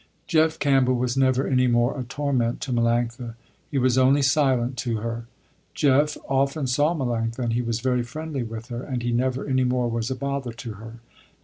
Jeff Campbell was never any more a torment to Melanctha, he was only silent to her. Jeff often saw Melanctha and he was very friendly with her and he never any more was a bother to her.